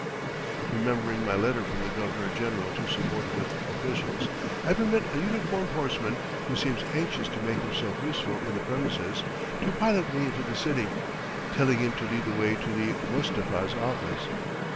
Remembering my letter from the Governor General to subordinate officials, I permit a uniformed horseman, who seems anxious to make himself useful in the premises, to pilot me into the city, telling him to lead the way to the Mustapha's office.